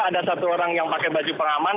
ada satu orang yang pakai baju pengaman